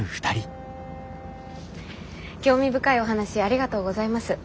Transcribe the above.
興味深いお話ありがとうございます。